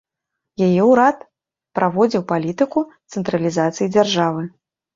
Яе ўрад праводзіў палітыку цэнтралізацыі дзяржавы.